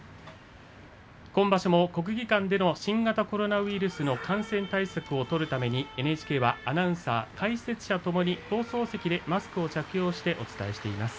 今場所も国技館での新型コロナウイルスの感染対策を取るために、ＮＨＫはアナウンサー、解説者ともに放送席でマスクを着用してお伝えしています。